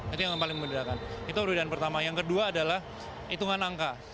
itu yang paling membedakan itu perbedaan pertama yang kedua adalah hitungan angka